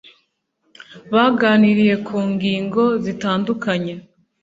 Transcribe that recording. baganiriye ku ngingo zitandukanye